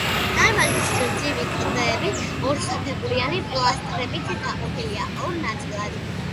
დარბაზის გრძივი კედლები ორსაფეხურიანი პილასტრებით გაყოფილია ორ ნაწილად.